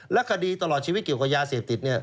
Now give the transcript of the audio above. และคดีตลอดชีวิตเกี่ยวกับยาเสพติดเนี่ย